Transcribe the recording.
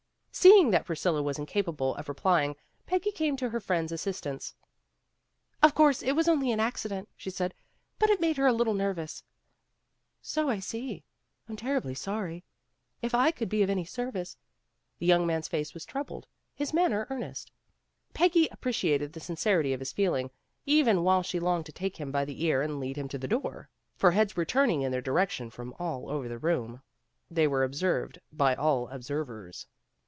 Seeing that Priscilla was incapable of re plying, Peggy came to her friend's assistance. "Of course it was only an accident," she said, "But it made her a little nervous." "So I see. I'm terribly sorry. If I could be of any service " The young man's face QUITE INFORMAL 167 was troubled, his manner earnest. Peggy ap preciated the sincerity of his feeling, even while she longed to take him by the ear and lead him to the door. For heads* were turning in their direction from all over the room. They were the observed of all observers.